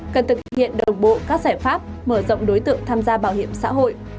cần thực hiện đồng bộ các giải pháp mở rộng đối tượng tham gia bảo hiểm xã hội